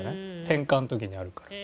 転換の時にあるから。